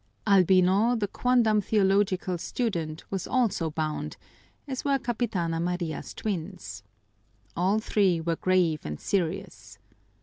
Albino, the quondam theological student, was also bound, as were Capitana Maria's twins. All three were grave and serious.